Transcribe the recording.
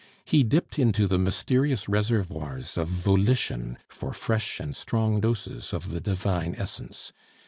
He dipped into the mysterious reservoirs of volition for fresh and strong doses of the divine essence.